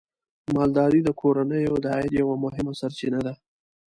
مالداري د کورنیو د عاید یوه مهمه سرچینه ده.